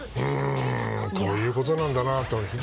こういうことなんだと。